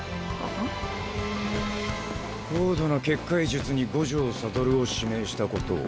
高度な結界術に五条悟を指名したこと。